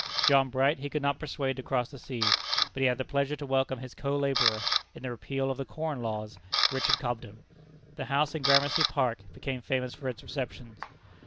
John Bright he could not persuade to cross the sea; but he had the pleasure to welcome his co laborer in the repeal of the Corn laws, Richard Cobden. The house in Gramercy Park became famous for its receptions.